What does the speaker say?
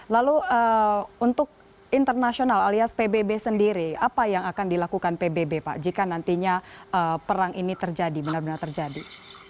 lalu untuk internasional alias pbb sendiri apa yang akan dilakukan pbb pak jika nantinya perang ini terjadi benar benar terjadi